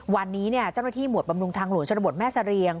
วันนี้เจ้าหน้าที่หมวดบำรุงทางหลวงชนบทแม่เสรียง